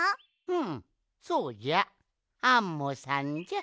うんそうじゃアンモさんじゃ。